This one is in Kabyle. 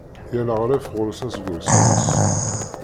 Yal aɣref ɣur-s aseggas-ines.